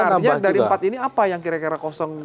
artinya dari empat ini apa yang kira kira dua